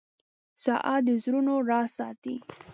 • ساعت د زړونو راز ساتي.